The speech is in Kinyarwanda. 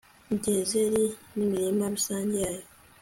gezeri n'imirima rusange yayo